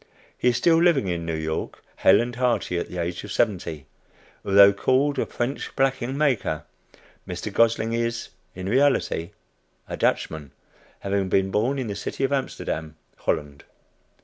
He is still living in New York, hale and hearty at the age of seventy. Although called a "French" blacking maker, Mr. Gosling is in reality a Dutchman, having been born in the city of Amsterdam, Holland.